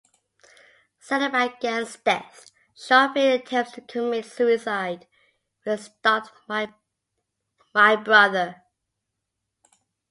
Saddened by Gant's death, Schofield attempts to commit suicide but is stopped by Mother.